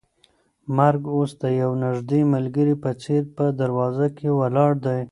مرګ اوس د یو نږدې ملګري په څېر په دروازه کې ولاړ دی.